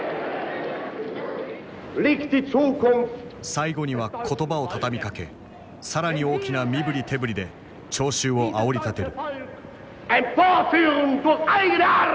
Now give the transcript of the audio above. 最後には言葉を畳みかけ更に大きな身振り手振りで聴衆をあおりたてる。